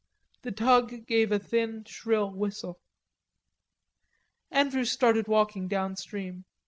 The tug gave a thin shrill whistle. Andrews started walking downstream.